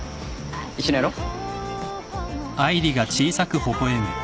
一緒にやろう。